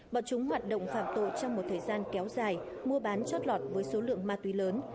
bọn chúng hoạt động phạm tội trong một thời gian kéo dài mua bán chót lọt với số lượng ma túy lớn